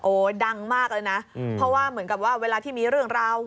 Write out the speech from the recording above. ดังมากเลยนะเพราะว่าเหมือนกับว่าเวลาที่มีเรื่องราว